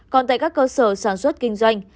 còn tại các cơ sở sản xuất kinh doanh